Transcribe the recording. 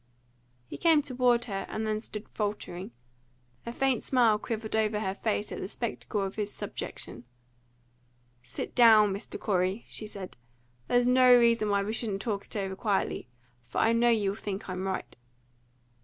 He came toward her, and then stood faltering. A faint smile quivered over her face at the spectacle of his subjection. "Sit down, Mr. Corey," she said. "There's no reason why we shouldn't talk it over quietly; for I know you will think I'm right."